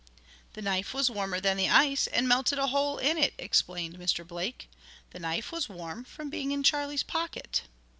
"The knife was warmer than the ice, and melted a hole in it," explained Mr. Blake. "The knife was warm from being in Charlie's pocket.